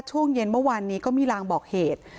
ช่วงเย็นเมื่อวานนี้ก็มีลางบอกเหตุ